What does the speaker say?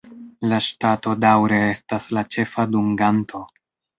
La ŝtato daŭre estas la ĉefa dunganto.